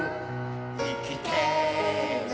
「いきてる